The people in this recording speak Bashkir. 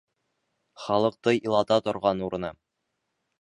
Халыҡты илата торған урыны!